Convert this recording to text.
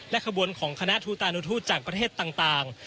ขบวนของคณะทูตานุทูตจากประเทศต่าง